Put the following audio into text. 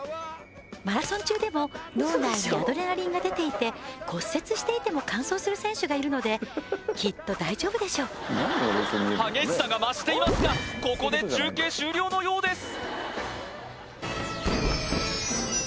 マラソン中でも脳内にアドレナリンが出ていて骨折していても完走する選手がいるのできっと大丈夫でしょう激しさが増していますがここで中継終了のようです